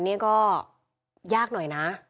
นี่ก็ยากหน่อยนะ